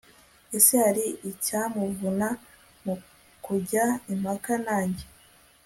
ese hari icyamuvuna mu kujya impaka nanjye